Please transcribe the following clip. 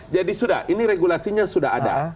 jadi sudah ini regulasinya sudah ada